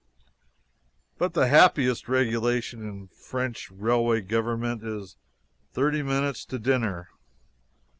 But the happiest regulation in French railway government is thirty minutes to dinner!